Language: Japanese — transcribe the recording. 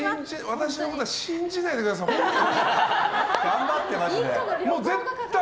私のことは信じないでください本当に。